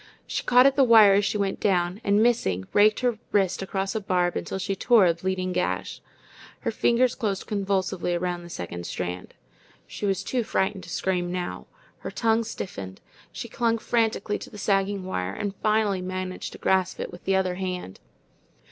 She caught at the wire as she went down, and missing, raked her wrist across a barb until she tore a bleeding gash. Her fingers closed convulsively around the second strand. She was too frightened to scream now. Her tongue stiffened. She clung frantically to the sagging wire, and finally managed to grasp it with the other hand.